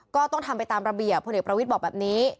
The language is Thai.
ก็ต้องทำไปตามระเบียบพลเอกประวิทย์บอกแบบนี้